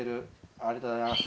ありがとうございます。